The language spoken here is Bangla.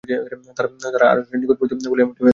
তারা আরশের নিকটবর্তী বলেই এমনটি হয়ে থাকে।